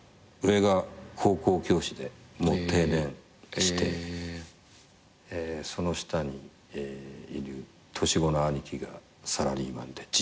上が高校教師でもう定年してその下にいる年子の兄貴がサラリーマンで。